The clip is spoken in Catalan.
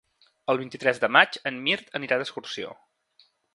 El vint-i-tres de maig en Mirt anirà d'excursió.